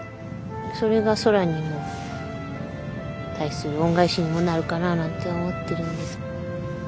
それが空に対する恩返しにもなるかななんて思ってるんです。